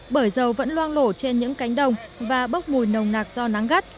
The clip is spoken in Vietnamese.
bởi dầu vẫn loang lộ trên những cánh đồng và bốc mùi nồng nạc do nắng gắt